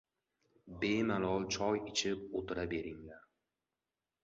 — Bemalol choy ichib o‘tira beringlar.